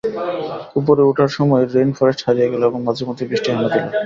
ওপরে ওঠার সময় রেইন ফরেস্ট হারিয়ে গেল এবং মাঝেমধ্যেই বৃষ্টি হানা দিল।